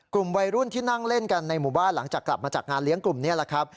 กลุ่มวัยรุ่นที่นั่งเล่นกันในหมู่บ้านหลังจากกลับมาจากงานเลี้ยงกลุ่มนี้แหละครับ